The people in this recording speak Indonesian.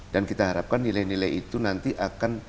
dan kita harapkan nilai nilai itu nanti akan